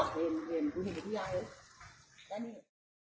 เห็นกูเห็นกับพี่ยายเลย